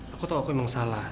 aku tahu aku emang salah